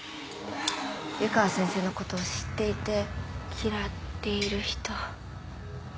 湯川先生のことを知っていて嫌っている人。